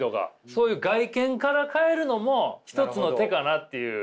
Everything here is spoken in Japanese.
そういう外見から変えるのも一つの手かなっていう。